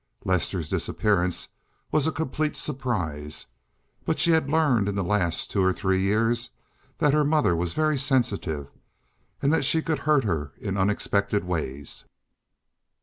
Lester's disappearance was a complete surprise; but she had learned in the last two or three years that her mother was very sensitive, and that she could hurt her in unexpected ways.